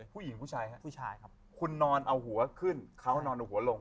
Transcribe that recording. ผู้หญิงผู้ชายครับผู้ชายครับคุณนอนเอาหัวขึ้นเขานอนเอาหัวลง